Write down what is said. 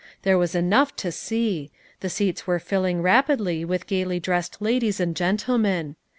There was enough to see; the seats were filling rapidly with gaily dressed ladies and gentlemen.